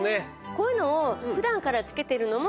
こういうのを普段から着けてるのも。